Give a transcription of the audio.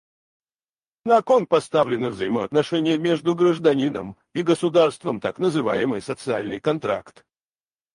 На кон поставлены взаимоотношения между гражданином и государством — так называемый «социальный контракт».